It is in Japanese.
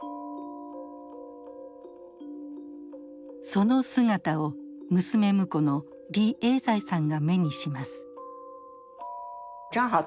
その姿を娘婿の李永財さんが目にします。